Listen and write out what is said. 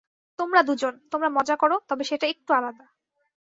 তোমরা দুজন, - তোমরা মজা করো, তবে সেটা একটু আলাদা।